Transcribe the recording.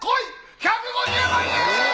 １５０万円！